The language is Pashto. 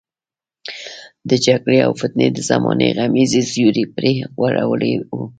د جګړې او فتنې د زمانې غمیزې سیوری پرې غوړولی وو.